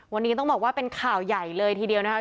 วันนี้ต้องบอกว่าเป็นข่าวใหญ่เลยทีเดียวนะครับ